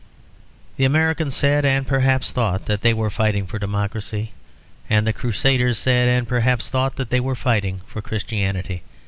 The Americans said, and perhaps thought, that they were fighting for democracy; and the Crusaders said, and perhaps thought, that they were fighting for Christianity.